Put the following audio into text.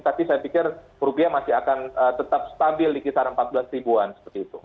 tapi saya pikir rupiah masih akan tetap stabil di kisaran rp empat belas ribuan